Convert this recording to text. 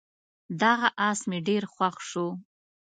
دغه اس مې ډېر خوښ شو.